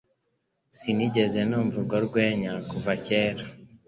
Sinigeze numva urwo rwenya kuva kera.